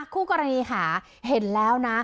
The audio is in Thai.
คู่กรณีค่ะเห็นแล้วนะ